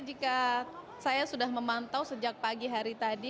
jika saya sudah memantau sejak pagi hari tadi